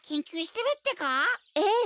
ええ。